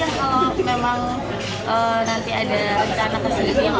jadi kalau memang nanti ada rencana keseluruhannya